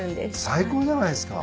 最高じゃないっすか。